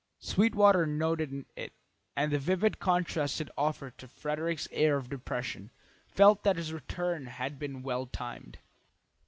Sweetwater, noting it, and the vivid contrast it offered to Frederick's air of depression, felt that his return had been well timed.